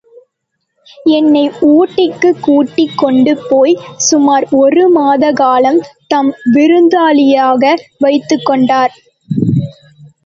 என்னை ஊட்டிக்குக் கூட்டிக் கொண்டு போய் சுமார் ஒரு மாதகாலம் தன் விருந்தாளியாக வைத்துக் கொண்டார்.